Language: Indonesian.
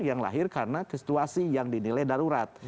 yang lahir karena situasi yang dinilai darurat